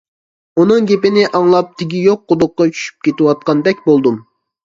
ئۇنىڭ گېپىنى ئاڭلاپ تېگى يوق قۇدۇققا چۈشۈپ كېتىۋاتقاندەك بولدۇم.